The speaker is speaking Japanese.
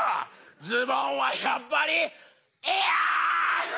ズボンはやっぱりええやん！